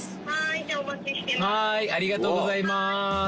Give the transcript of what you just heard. ありがとうございます！